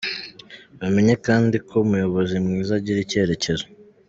Bamenye kandi ko umuyobozi mwiza agira icyerekezo.